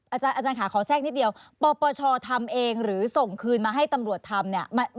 อาจารย์ค่ะขอแทรกนิดเดียวปปชทำเองหรือส่งคืนมาให้ตำรวจทำเนี่ย